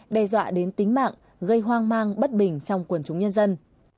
đe dọa đến tính mạng gây hoang mang bất bình trong quần chúng nhân dân